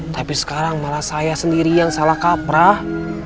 tapi sekarang malah saya sendiri yang salah kaprah